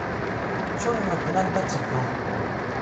Ttun medden anda tteddun.